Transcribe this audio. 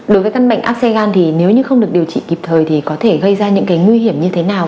đối với căn bệnh aci gan thì nếu như không được điều trị kịp thời thì có thể gây ra những cái nguy hiểm như thế nào